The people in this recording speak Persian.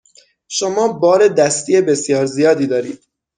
شما بار دستی بسیار زیادی دارید.